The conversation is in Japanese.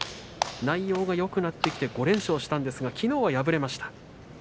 内容がよくなってきて５連勝しましたがきのうは敗れました。